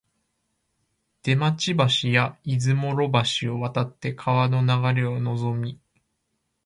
出町橋や出雲路橋を渡って川の流れをのぞみ、